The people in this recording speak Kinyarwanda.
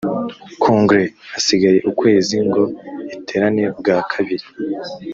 Kongere hasigaye ukwezi ngo iterane bwa kabiri